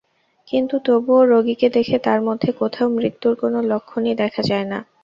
কিন্তু তবুও রোগীকে দেখে তাঁর মধ্যে কোথাও মৃত্যুর কোনো লক্ষণই দেখা যায় না।